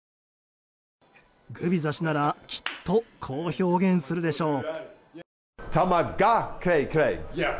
グビザ氏ならきっと、こう表現するでしょう。